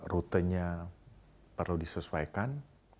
rutenya perlu disesuaikan